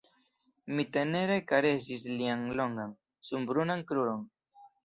Mi tenere karesis lian longan, sunbrunan kruron.